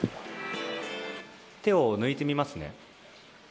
手を抜いてみますね。